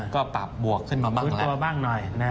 ก็ปรับบวกขึ้นมาบ้างฟื้นตัวบ้างหน่อย